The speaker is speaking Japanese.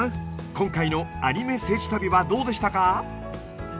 今回の「アニメ聖地旅」はどうでしたか？